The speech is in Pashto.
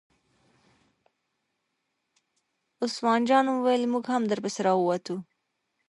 عثمان جان وویل: موږ هم در پسې را ووتو.